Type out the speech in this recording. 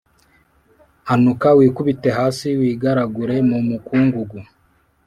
hanuka wikubite hasi, wigaragure mu mukungugu,